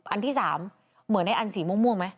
อันที่๓เหมือนในอันสีม่วงไหม